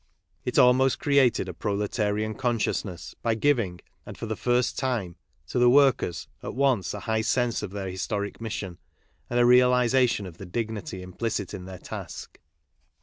It almost created a proletarian consciousness by giving, and for the first time, to the workers at once a high sense of their historic mission. and a realization of the dignity implicit in their task.